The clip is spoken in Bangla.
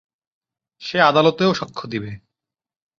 সে আদালতেও সাক্ষ্য দিবে।